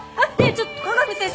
ちょっと香美先生！